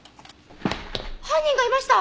犯人がいました！